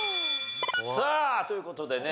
さあという事でね